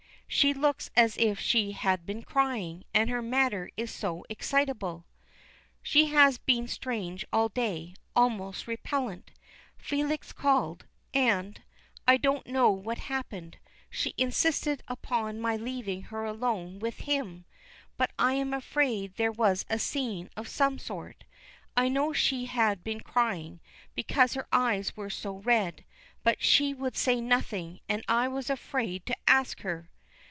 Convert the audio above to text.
"She looks as if she had been crying, and her manner is so excitable." "She has been strange all day, almost repellant. Felix called and I don't know what happened; she insisted upon my leaving her alone with him; but I am afraid there was a scene of some sort. I know she had been crying, because her eyes were so red, but she would say nothing, and I was afraid to ask her."